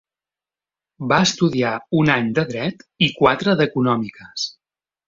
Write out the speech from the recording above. Va estudiar un any de dret i quatre d'econòmiques.